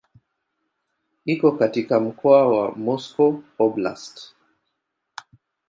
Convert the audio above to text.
Iko katika mkoa wa Moscow Oblast.